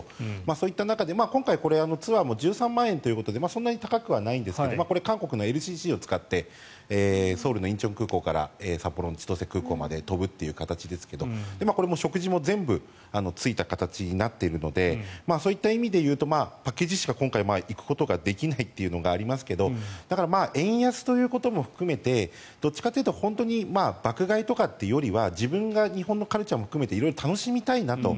そういう中で今回、ツアーも１３万円ということでそんなに高くはないんですが韓国のＬＣＣを使ってソウルの仁川空港から札幌の千歳空港まで飛ぶという形ですがこれも食事も全部ついた形になっているのでそういった意味で言うとパッケージしか今回行くことができないというのがありますがだから、円安ということも含めてどっちかというと本当に爆買いとかっていうよりは自分が日本のカルチャーも含めて色々楽しみたいなと。